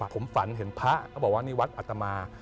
ผมฝันเห็นพระก็บอกว่านี่วัดอัตมา